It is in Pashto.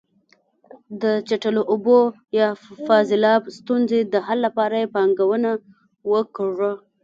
د چټلو اوبو یا فاضلاب ستونزې د حل لپاره یې پانګونه وکړه.